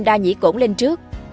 đa nhĩ cổn lên trước